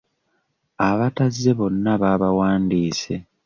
Abatazze bonna baabawandiise.